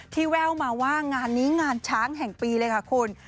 แววมาว่างานนี้งานช้างแห่งปีเลยค่ะคุณ